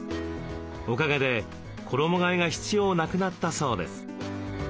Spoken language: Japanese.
おかげで衣替えが必要なくなったそうです。